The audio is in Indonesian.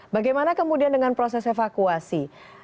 bagaimana kemudian dengan proses evakuasi